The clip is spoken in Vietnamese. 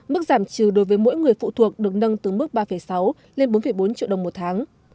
mức giảm trừ đối với mỗi người phụ thuộc được nâng từ mức ba sáu lên bốn bốn triệu đồng một tháng